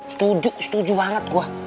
setuju setuju banget gue